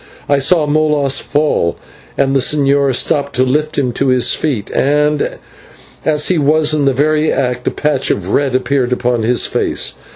I saw Molas fall and the señor stop to lift him to his feet, and, as he was in the very act, a patch of red appear upon his face.